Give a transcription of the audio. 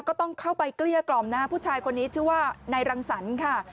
ก็ต้องเข้าไปเกลี้ยกล่อมนะฮะผู้ชายคนนี้ชื่อว่านายรังสรรค์ค่ะ